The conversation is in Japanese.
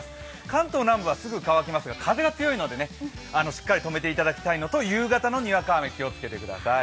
関東南部はすぐ乾きますが、風が強いのでしっかりと止めていただきたいのと、夕方のにわか雨に注意してください。